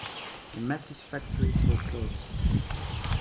The Mathis factories were closed.